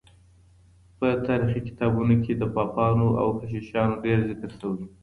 په تاريخي کتابونو کي د پاپانو او کشيشانو ډېر ذکر سوی دی.